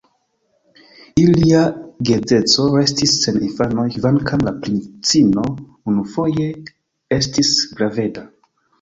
Ilia geedzeco restis sen infanoj, kvankam la princino unufoje estis graveda.